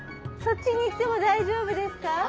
そっちに行っても大丈夫ですか？